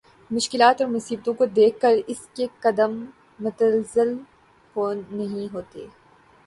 مشکلات اور مصیبتوں کو دیکھ کر اس کے قدم متزلزل نہیں ہوتے